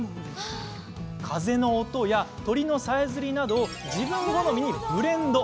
風の音や鳥のさえずりなどを自分好みにブレンド。